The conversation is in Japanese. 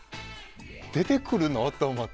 出てくるの？と思って。